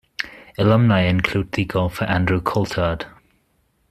Alumni include the golfer Andrew Coltart.